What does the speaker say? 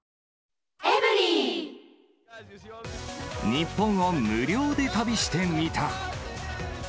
日本を無料で旅してみた！